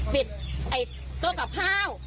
ปิดไอโต๊ะกับผ้าว